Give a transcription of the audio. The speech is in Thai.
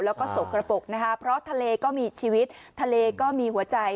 แล้วก็สกระปกนะคะเพราะทะเลก็มีชีวิตทะเลก็มีหัวใจ